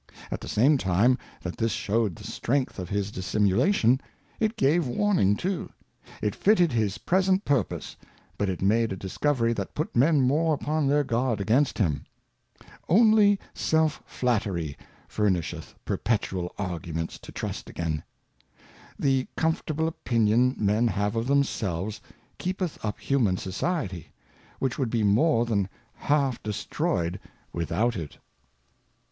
At the same time that this shewed the Strength of his Dissimulation, it gave warning too ; it fitted his present Purpose, but it made a Discovery that put Men more upon their Guard against him. Only Self flattery furnisheth perpetual Arguments to trust again : The comfortable Opinion Men have of themselves keepeth up Human Society, which would be more than half destroyed without it.